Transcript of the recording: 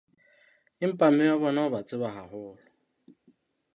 Empa mme wa bona o ba tseba haholo.